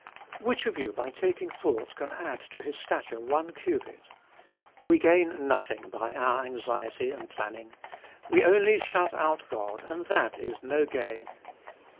"Which of you, by taking thought, can add to his stature one cubit?" We gain nothing by our anxiety and planning; we only shut out God, and that is no gain.